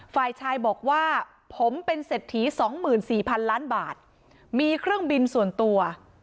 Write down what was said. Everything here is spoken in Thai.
ฝ่ายชายบอกว่าผมเป็นเสร็จถีสองหมื่นสี่พันล้านบาทมีเครื่องบินส่วนตัว